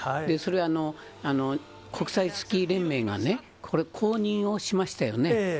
それは国際スキー連盟が公認をしましたよね。